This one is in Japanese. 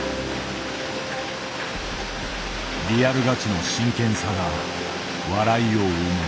リアルガチの真剣さが笑いを生む。